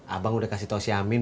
abang udah kasih tau si amin